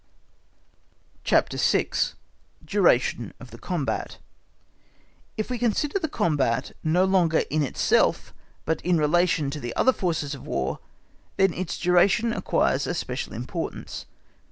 _ CHAPTER VI. Duration of Combat If we consider the combat no longer in itself but in relation to the other forces of War, then its duration acquires a special importance.